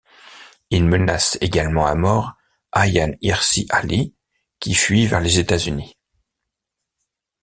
Il menace également à mort Ayaan Hirsi Ali, qui fuit vers les États-Unis.